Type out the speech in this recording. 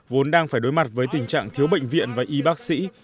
vốn đang phải đối mặt với tình trạng thiếu bệnh viện và y bác sĩ